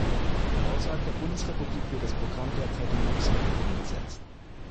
Außerhalb der Bundesrepublik wird das Programm derzeit in Luxemburg umgesetzt.